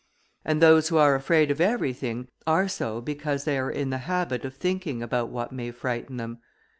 "And those who are afraid of everything, are so because they are in the habit of thinking about what may frighten them.